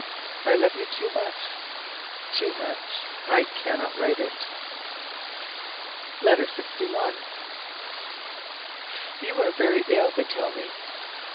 I love you too much, too much: I cannot write it. LETTER LXI. You are very ill, they tell me.